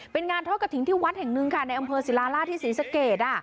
เป็นงานทอดกระถิ่นที่วัดแห่งหนึ่งค่ะในอำเภอศิลาล่าที่ศรีสะเกด